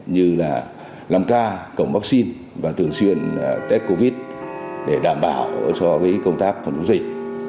như là năm ca cổng vaccine và thường xuyên test covid để đảm bảo cho công tác phòng chống dịch